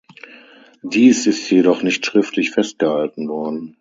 Dies ist jedoch nicht schriftlich festgehalten worden.